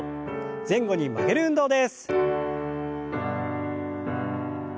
前後に曲げる運動です。